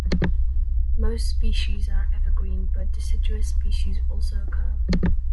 Most species are evergreen, but deciduous species also occur.